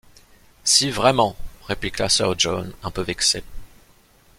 Si vraiment! répliqua sir John, un peu vexé !